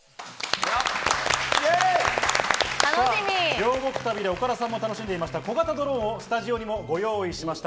両国旅で岡田さんも楽しんでいた小型ドローンをスタジオにもご用意しました。